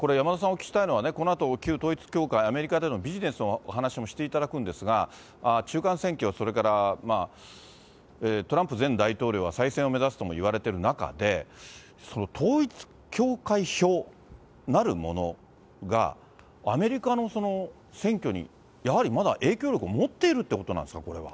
お聞きしたいのは、このあと旧統一教会、アメリカでのビジネスのお話もしていただくんですが、中間選挙、それからトランプ前大統領は再選を目指すともいわれている中で、その統一教会票なるものが、アメリカの選挙にやはりまだ影響力を持っているということなんですか、これは。